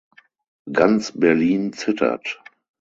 Ganz Berlin zittert.